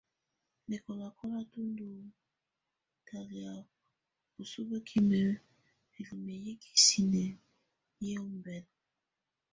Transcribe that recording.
Bɛ̀kɔ̀làkɔ̀la, tù ndú ɲtalɛ̀á bǝsu bǝkimǝ ǝlimǝ yɛ ikisinǝ yɛ́ ɔmbɛla.